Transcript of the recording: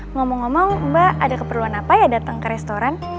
ngomong ngomong mbak ada keperluan apa ya datang ke restoran